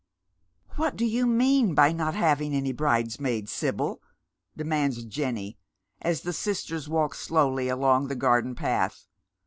"What do yea mean by not having any bridesmaids, Sibyl?" demands Jenny, as the sisters walk slowly along tlio gardcij path.